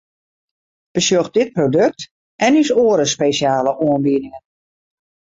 Besjoch dit produkt en ús oare spesjale oanbiedingen!